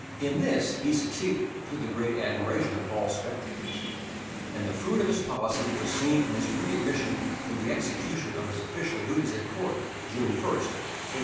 In this he succeeded, to the great admiration of all spectators; and the fruit of his policy was seen in his re admission to the execution of his official duties at court, June 1, 1597.